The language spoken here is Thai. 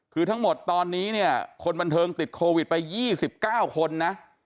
คือทั้งหมดตอนนี้เนี่ยคนบันเทิงติดโควิดไป๒๙คนนะ